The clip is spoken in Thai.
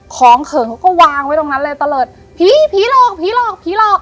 เขินเขาก็วางไว้ตรงนั้นเลยตะเลิศผีผีหลอกผีหลอกผีหลอก